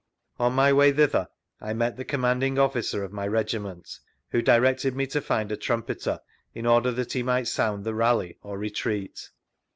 On my way thither I met the Commanding officer of my Regiment, who directed me to find a Trumpeter, in order that he might sound the " rally " or " retreat."